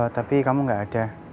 tapi kamu gak ada